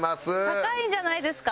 高いんじゃないですか？